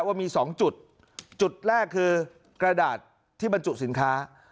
ว่ามีสองจุดจุดแรกคือกระดาษที่บรรจุสินค้า